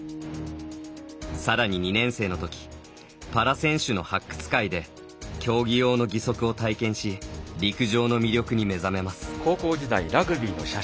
さらに、２年生のときパラ選手の発掘会で競技用の義足を体験し陸上の魅力に目覚めます。